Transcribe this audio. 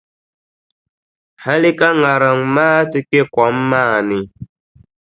Hali ka ŋariŋ maa ti kpe kom maa ni.